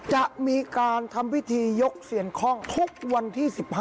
จะมีการทำพิธียกเซียนคล่องทุกวันที่๑๕